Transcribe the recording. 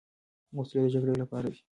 وسلې د جګړې لپاره دي.